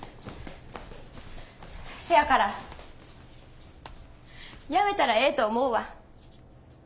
せやからやめたらええと思うわ。